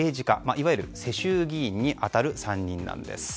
いわゆる世襲議員に当たる３人なんです。